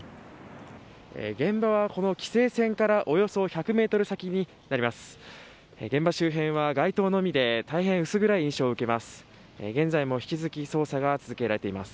現場は、この規制線からおよそ１００ｍ先になります。